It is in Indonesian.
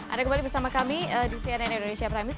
ada kembali bersama kami di cnn indonesia prime news